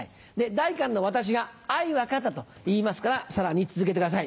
代官の私が「あい分かった」と言いますからさらに続けてください。